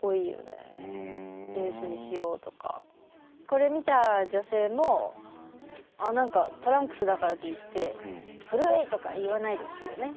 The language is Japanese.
これ見た女性もあっ何かトランクスだからといって「古い」とか言わないでほしいよね。